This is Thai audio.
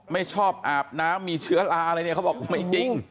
ไม่ชอบอาบน้ำมีเชื้อลาอะไรเนี่ยเขาบอกไม่จริง